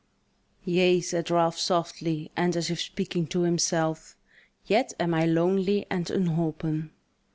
"Yea," said Ralph, softly, and as if speaking to himself, "yet am I lonely and unholpen."